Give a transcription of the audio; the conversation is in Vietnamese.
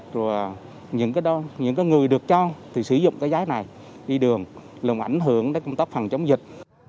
rồi những người được cho thì sử dụng cái giá này đi đường làm ảnh hưởng đến công tác phòng chống dịch